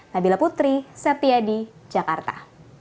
nabila putri setia di jakarta